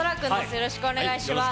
よろしくお願いします。